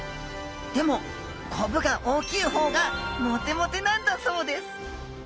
でもコブが大きい方がモテモテなんだそうです